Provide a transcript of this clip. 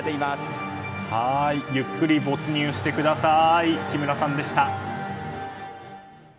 ゆっくり没入してください。